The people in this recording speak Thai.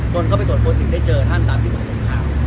คนเข้าไปตรวจส่วนหนึ่งได้เจอท่านตามที่บอกบนข่าว